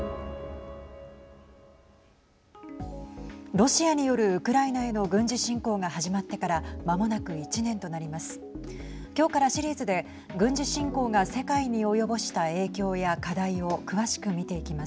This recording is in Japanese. ロシアによるウクライナへの軍事侵攻が始まってからまもなく１年となります。